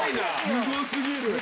すごすぎる。